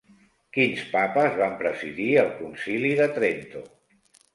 Quins papes van presidir el Concili de Trento?